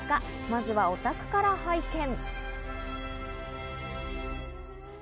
まずはお宅から拝見。